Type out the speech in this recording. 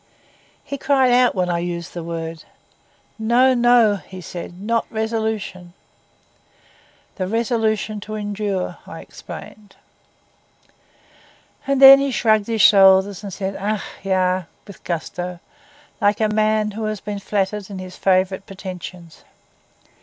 He cried out when I used the word. 'No, no,' he said, 'not resolution.' 'The resolution to endure,' I explained. And then he shrugged his shoulders, and said, 'Ach, ja,' with gusto, like a man who has been flattered in his favourite pretensions.